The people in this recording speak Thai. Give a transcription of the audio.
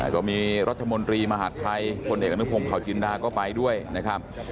ก็มีรัฐมนตรีมหาดไทยพลเอกอนุพงศ์เผาจินดาก็ไปด้วยนะครับ